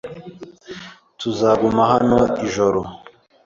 Tuzaguma hano ijoro.